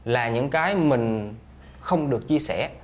là những cái mình không được chia sẻ